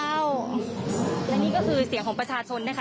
และนี่ก็คือเสียงของประชาชนนะคะ